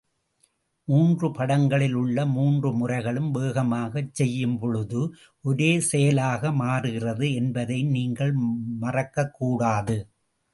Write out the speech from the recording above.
மூன்று படங்களில் உள்ள மூன்று முறைகளும் வேகமாகச் செய்யும்பொழுது ஒரே செயலாக மாறுகிறது என்பதையும் நீங்கள் மறக்கக்கூடாது.